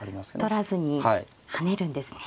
取らずに跳ねるんですね。